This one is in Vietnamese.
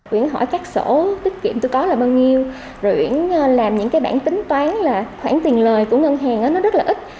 uyển hỏi các sổ tiết kiệm tôi có là bao nhiêu rồi uyển làm những bản tính toán là khoản tiền lời của ngân hàng rất ít